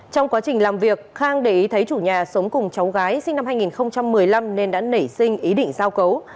trong quá trình làm việc khang để ý thấy chủ nhà sống cùng cháu gái sinh năm hai nghìn một mươi năm nên đã nảy sinh ý định giao cấu